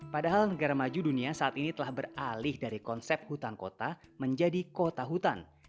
padahal negara maju dunia saat ini telah beralih dari konsep hutan kota menjadi kota hutan